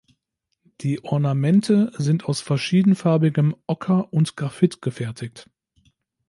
Die Ornamente sind aus verschiedenfarbigem Ocker und Graphit gefertigt.